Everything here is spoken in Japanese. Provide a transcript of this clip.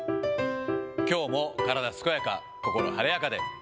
きょうも体健やか、心晴れやかで。